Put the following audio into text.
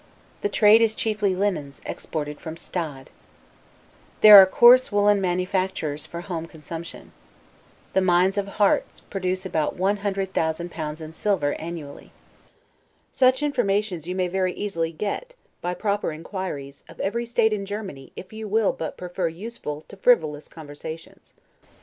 The trade is chiefly linens, exported from Stade. There are coarse woolen manufactures for home consumption. The mines of Hartz produce about L100,000 in silver, annually. Such informations you may very easily get, by proper inquiries, of every state in Germany if you will but prefer useful to frivolous conversations.